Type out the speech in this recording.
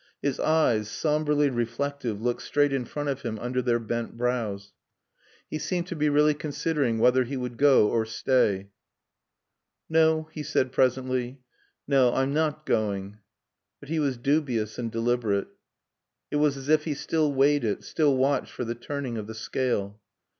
His eyes, somberly reflective, looked straight in front of him under their bent brows. He seemed to be really considering whether he would go or stay. "No," he said presently. "No, I'm not going." But he was dubious and deliberate. It was as if he still weighed it, still watched for the turning of the scale.